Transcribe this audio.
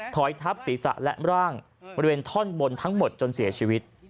ถอยทับศีรษะและร่างบริเวณท่อนบนทั้งหมดจนเสียชีวิต